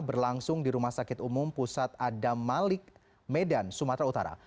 berlangsung di rumah sakit umum pusat adam malik medan sumatera utara